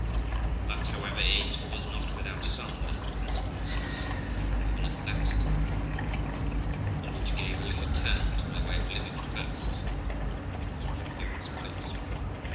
But, however, it was not without some little consequences, even at that time, and which gave a little turn to my way of living at first, as you shall hear in its place.